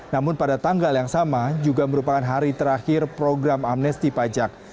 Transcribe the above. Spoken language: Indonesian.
namun pada tanggal yang sama juga merupakan hari terakhir program amnesti pajak